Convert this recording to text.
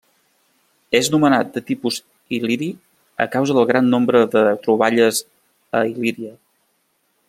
És nomenat de tipus il·liri a causa del gran nombre de troballes a Il·líria.